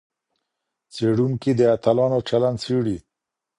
څېړونکي د اتلانو چلند څېړي.